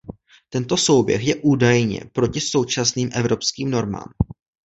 Tento souběh je údajně proti současným evropským normám.